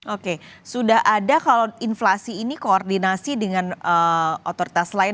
oke sudah ada kalau inflasi ini koordinasi dengan otoritas lain